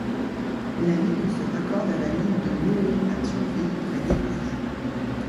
La ligne se raccorde à la ligne de Mohon à Thionville près d’Écouviez.